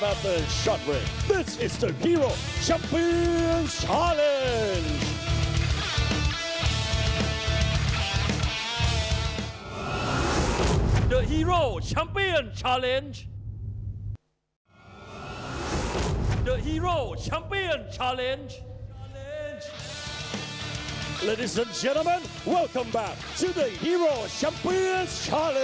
มาพร้อมกับเข็มขัด๔๙กิโลกรัมซึ่งตอนนี้เป็นของวัดสินชัยครับ